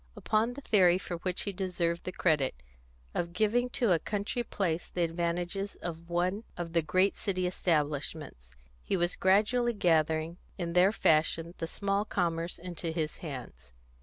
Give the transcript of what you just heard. Upon the theory, for which he deserved the credit, of giving to a country place the advantages of one of the great city establishments, he was gradually gathering, in their fashion, the small commerce into his hands.